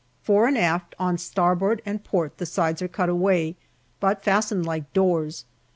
Fore and aft on starboard and port the sides are cut away, but fastened like doors.